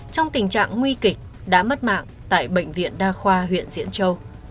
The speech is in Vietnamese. trong tình trạng nguy kịch đã mất mạng tại bệnh viện đa khoa huyện diễn châu